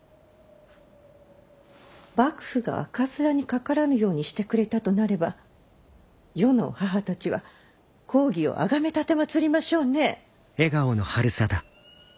幕府が赤面にかからぬようにしてくれたとなれば世の母たちは公儀をあがめ奉りましょうね。